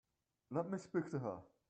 Let me speak to her.